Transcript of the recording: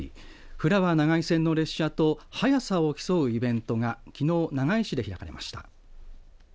フラワー長井線の電車と速さを競うイベントがきのう長井市で開かれました。